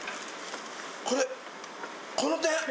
これこの点！